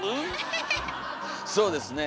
そうですね。